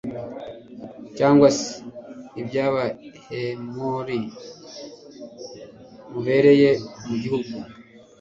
cyangwa se iby'abahemori mubereye mu gihugu